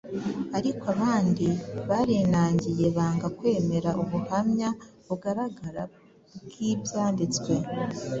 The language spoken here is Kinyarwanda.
Ariko abandi barinangiye banga kwemera ubuhamya bugaragara bw’Ibyanditswe